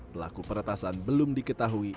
pelaku peretasan belum diketahui